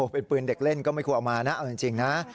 เป็นปืนเด็กเล่นก็ไม่ควรเอามานะเอาจริงนะ